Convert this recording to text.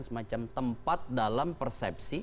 semacam tempat dalam persepsi